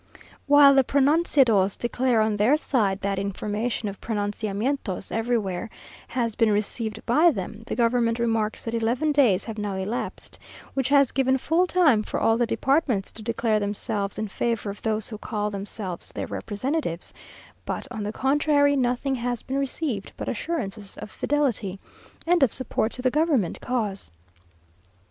While the pronunciados declare on their side that "information of pronunciamentos everywhere" has been received by them; the government remarks that eleven days have now elapsed, which has given full time for all the departments to declare themselves in favour of those who call themselves their representatives; but on the contrary, nothing has been received but assurances of fidelity, and of support to the government cause.